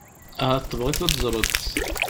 Ahat tebɣiḍ ad teẓreḍ.